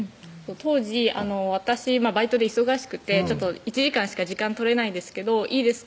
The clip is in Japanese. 当時私バイトで忙しくて「１時間しか時間取れないですけどいいですか？」